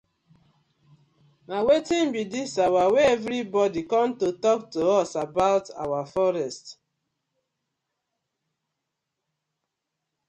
Na wetin dey dis our wey everi bodi com to tok to us abour our forest.